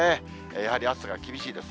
やはり暑さが厳しいです。